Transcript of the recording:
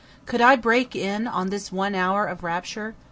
Could I break in on this one hour of rapture?